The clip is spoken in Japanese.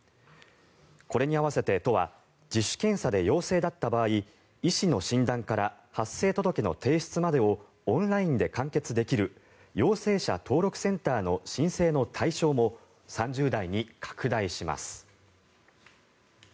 これに合わせて、都は自主検査で陽性だった場合医師の診断から発生届の提出までをオンラインで完結できる陽性者登録センターの申請の対象も３０代に拡大します。